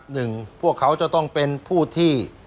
หนึ่งพวกเขาจะต้องเป็นผู้ที่